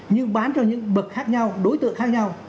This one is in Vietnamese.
nhưng bán cho những bậc khác nhau đối tượng khác nhau